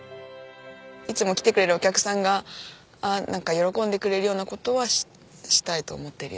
いつも来てくれるお客さんがなんか喜んでくれるような事はしたいと思ってるよね。